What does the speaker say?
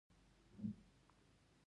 د چین د غنمو او وریجو تولید ډیر دی.